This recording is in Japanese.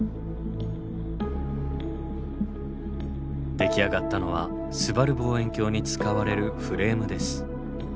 出来上がったのはすばる望遠鏡に使われるフレームです。